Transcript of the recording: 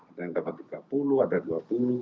ada yang dapat tiga puluh ada dua puluh